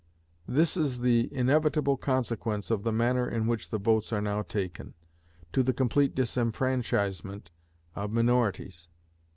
This is the inevitable consequence of the manner in which the votes are now taken, to the complete disfranchisement of minorities.